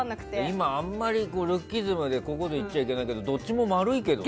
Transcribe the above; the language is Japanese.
今、あまりルッキズムでこういうこと言っちゃいけないけどどっちも丸いけどね。